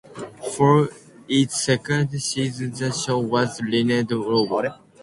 For its second season the show was renamed Lobo.